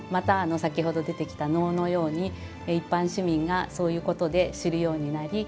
先ほど出てきた能のように一般市民がそういうことで知るようになり